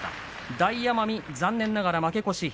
大奄美残念ながら負け越し。